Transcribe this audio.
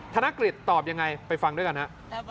ธนกฤษตอบยังไงไปฟังด้วยกันฮะ